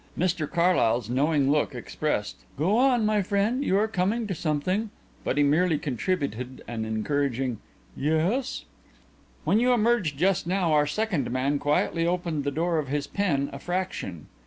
Mr Carlyle's knowing look expressed: "Go on, my friend; you are coming to something." But he merely contributed an encouraging "Yes?" "When you emerged just now our second man quietly opened the door of his pen a fraction.